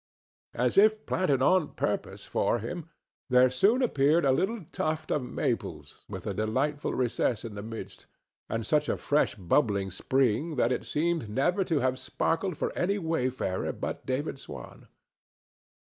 As if planted on purpose for him, there soon appeared a little tuft of maples with a delightful recess in the midst, and such a fresh bubbling spring that it seemed never to have sparkled for any wayfarer but David Swan.